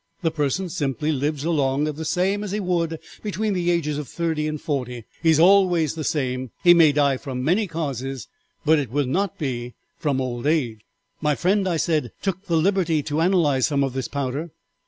The person simply lives along the same as he would between the ages of thirty and forty; he is always the same. He may die from many causes, but it would not be from old age.' "'My friend,' I said, 'took the liberty to analyze some of this powder.'